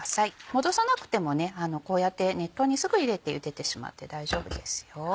戻さなくてもこうやって熱湯にすぐ入れて茹でてしまって大丈夫です。